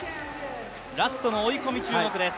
ラストの追い込みに注目です。